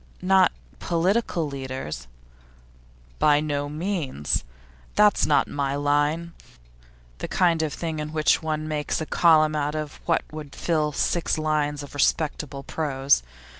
'Not political leaders?' 'By no means. That's not my line. The kind of thing in which one makes a column out of what would fill six lines of respectable prose.